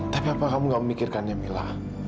tapi apa kamu gak memikirkannya mila